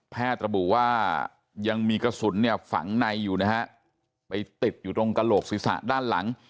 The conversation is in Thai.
ระบุว่ายังมีกระสุนเนี่ยฝังในอยู่นะฮะไปติดอยู่ตรงกระโหลกศีรษะด้านหลัง